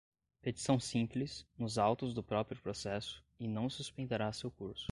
petição simples, nos autos do próprio processo, e não suspenderá seu curso.